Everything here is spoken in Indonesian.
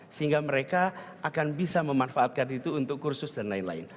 sehingga mereka akan bisa memanfaatkan itu untuk kursus dan lain lain